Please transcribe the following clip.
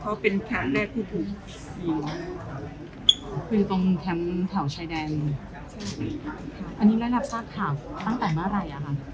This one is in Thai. เขาเป็นแคมป์แรกผู้ถูกคือตรงแคมป์แถวชายแดนใช่ค่ะอันนี้ได้รับทราบข่าวตั้งแต่เมื่อไรอะคะ